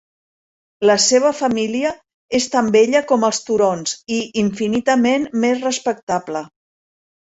La seva família és tan vella com els turons i infinitament més respectable.